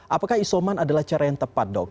apakah isoman adalah cara yang tepat dok